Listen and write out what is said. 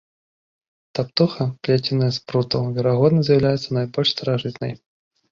Таптуха, плеценая з прутоў, верагодна, з'яўляецца найбольш старажытнай.